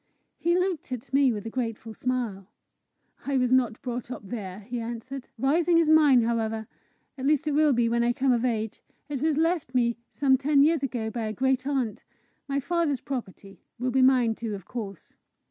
He looked at me with a grateful smile. "I was not brought up there," he answered. "Rising is mine, however at least it will be when I come of age; it was left me some ten years ago by a great aunt My father's property will be mine too, of course.